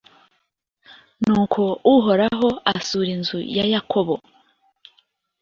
nuko uhoraho asura inzu ya yakobo